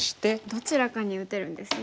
どちらかに打てるんですね。